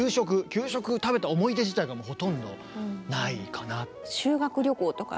給食食べた思い出自体がもうほとんどないかな。